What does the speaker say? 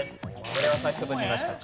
これは先ほど見ました。